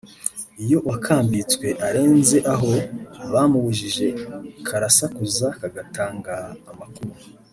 iyo uwakambitswe arenze aho bamubujije karasakuza kagatanga amakuru